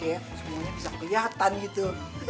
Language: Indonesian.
semuanya bisa kelihatan gitu